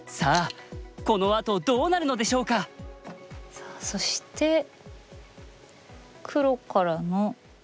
さあそして黒からの。